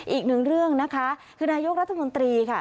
อีกหนึ่งเรื่องนะคะคือนายกรัฐมนตรีค่ะ